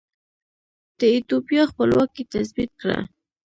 د ایتوپیا خپلواکي تثبیت کړه.